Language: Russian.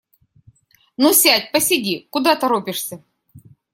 Ну, сядь, посиди, куда торопишься?